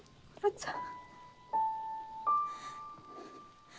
ちゃん